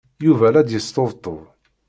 Yuba la d-yesṭebṭub.